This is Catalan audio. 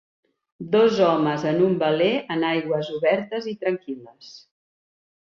Dos homes en un veler en aigües obertes i tranquil·les.